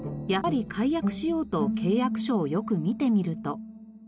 やっぱり解約しようと契約書をよく見てみると。